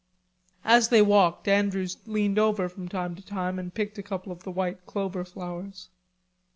As they walked Andrews leaned over from time to time and picked a couple of the white clover flowers.